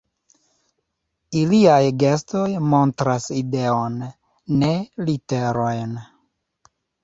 Iliaj gestoj montras ideon, ne literojn.